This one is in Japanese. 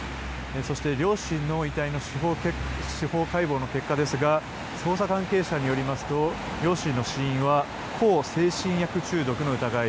そして、両親の遺体の司法解剖の結果ですが捜査関係者によりますと両親の死因は向精神薬中毒の疑い。